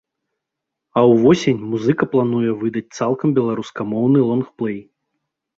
А ўвосень музыка плануе выдаць цалкам беларускамоўны лонгплэй.